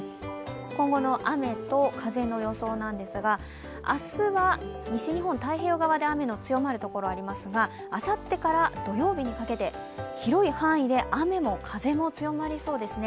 今後の雨と風の予想なんですが明日は西日本、太平洋側で雨が強まるところがありますがあさってから土曜日にかけて広い範囲で雨も風も強まりそうですね。